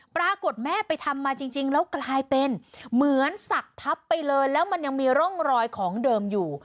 ปรากฏแม่ไปทำมาจริงแล้วกลายเป็นเหมือนศักดิ์ทับไปเลยแล้วมันยังมีร่องรอยของเดิมอยู่